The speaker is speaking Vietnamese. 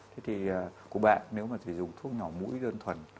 thế thì của bạn nếu mà chỉ dùng thuốc nhỏ mũi đơn thuần